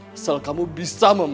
asal kamu bisa memakai aku